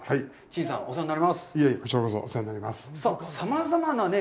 沈さん、お世話になりました。